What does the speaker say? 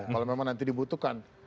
kalau memang nanti dibutuhkan